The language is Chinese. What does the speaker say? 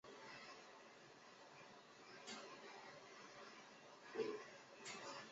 出生于俄国的犹太家庭。